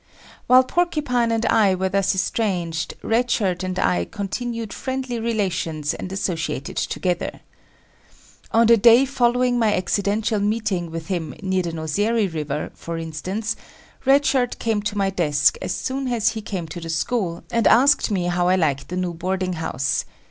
While Porcupine and I were thus estranged, Red Shirt and I continued friendly relations and associated together. On the day following my accidental meeting with him near the Nozeri river, for instance, Red Shirt came to my desk as soon as he came to the school, and asked me how I liked the new boarding house.